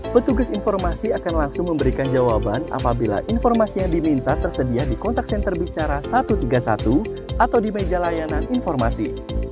petugas informasi akan langsung memberikan jawaban apabila informasi yang diminta tersedia di kontak senter bicara satu ratus tiga puluh satu atau di meja layanan informasi